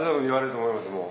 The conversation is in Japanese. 言われると思います